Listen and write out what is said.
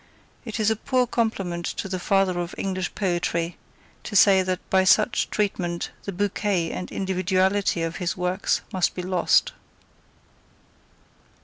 It is a poor compliment to the Father of English Poetry, to say that by such treatment the bouquet and individuality of his works must be lost.